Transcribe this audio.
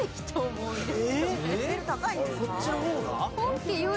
こっちの方が？